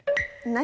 何？